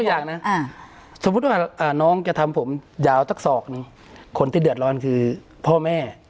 ผมยกอย่างนี้สมมตีว่าน้องจะทำผมยาวตึคศอกคนที่เดือดร้อนคือพ่อแม่